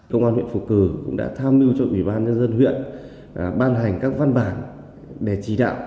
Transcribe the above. công an huyện phù cử cũng đã tham mưu cho ủy ban nhân dân huyện ban hành các văn bản để chỉ đạo